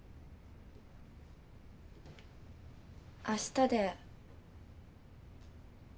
あしたで。